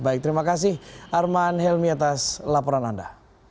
baik terima kasih arman helmi atas laporan anda